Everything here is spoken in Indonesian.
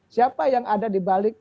siapa yang ada dibalik